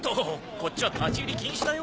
こっちは立ち入り禁止だよ。